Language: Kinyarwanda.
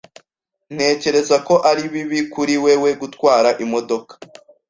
Ntekereza ko ari bibi kuri wewe gutwara imodoka.